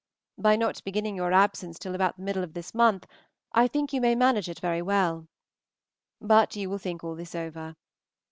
By not beginning your absence till about the middle of this month I think you may manage it very well. But you will think all this over.